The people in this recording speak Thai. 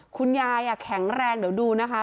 คุณยายแข็งแรงเดี๋ยวดูนะคะ